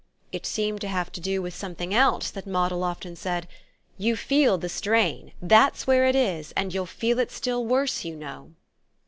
It seemed to have to do with something else that Moddle often said: "You feel the strain that's where it is; and you'll feel it still worse, you know."